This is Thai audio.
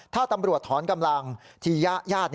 ถ้าตำรวจถอนกำลังทีญาติ